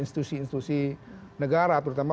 institusi institusi negara terutama